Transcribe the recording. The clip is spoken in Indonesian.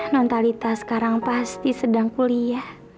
mentalitas sekarang pasti sedang kuliah